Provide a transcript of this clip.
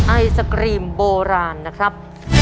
ไอศกรีมโบราณนะครับ